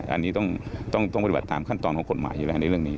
อันนี้ต้องปฏิบัติตามขั้นตอนของกฎหมายอยู่แล้วในเรื่องนี้